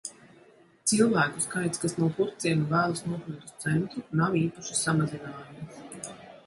Cilvēku skaits, kas no Purvciema vēlas nokļūt uz centru, nav īpaši samazinājies.